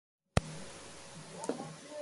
北海道新篠津村